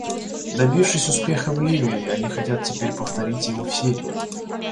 Добившись успеха в Ливии, они хотят теперь повторить его в Сирии.